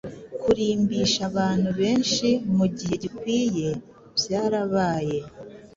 Kurimbisha abantu benshiMugihe gikwiye byarabaye